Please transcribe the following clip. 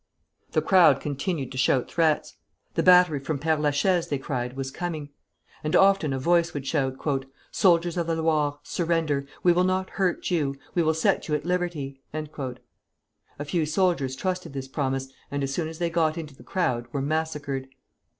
The crowd continued to shout threats. The battery from Père la Chaise, they cried, was coming; and often a voice would shout, "Soldiers of the Loire, surrender! We will not hurt you. We will set you at liberty!" A few soldiers trusted this promise, and as soon as they got into the crowd were massacred.